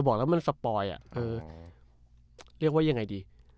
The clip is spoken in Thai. บอกแล้วมันสปอยเรียกว่ายังไงดี